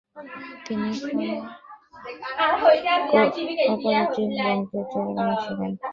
তিনি গ্রামের কো-অপারেটিভ ব্যাঙ্কের চেয়ারম্যানও ছিলেন।